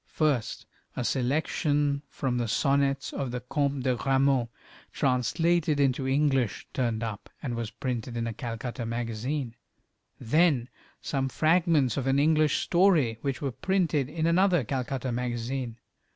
First a selection from the sonnets of the Comte de Grammont, translated into English, turned up, and was printed in a Calcutta magazine; then some fragments of an English story, which were printed in another Calcutta magazine.